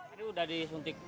ini udah disuntik